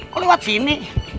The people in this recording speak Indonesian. kok lewat sini